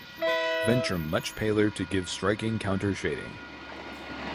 Ventrum much paler to give striking counter shading.